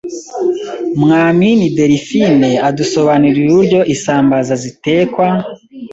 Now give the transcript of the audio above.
mwamini delphine adusobanurira uburyo isambaza zitekwa,